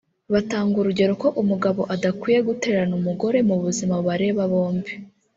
Batanga urugero ko umugabo adakwiye gutererana umugore mu buzima bubareba bombi